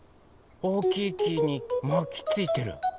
おおきい木にまきついてる。